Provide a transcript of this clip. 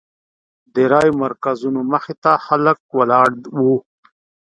د رایو مرکزونو مخې ته خلک ولاړ وو.